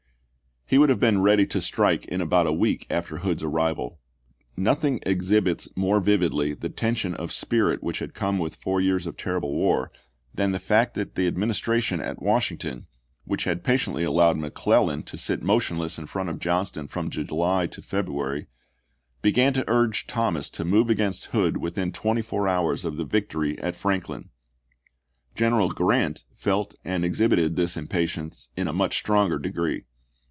He would have been ready to strike in about a week after Hood's arrival. Noth ing exhibits more vividly the tension of spirit which had come with four years of terrible war, than the fact that the Administration at Wash ington, which had patiently allowed McClellan to sit motionless in front of Johnston from July to February, began to urge Thomas to move against 24 ABEAHAM LINCOLN chap. i. Hood within twenty four hours of the victory at Franklin. General Grant felt and exhibited this impatience in a much stronger degree.